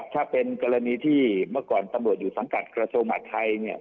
ถ้าเป็นกรณีที่เมื่อก่อนตำรวจอยู่สังกัดกระทรวงมหาธัยเนี่ย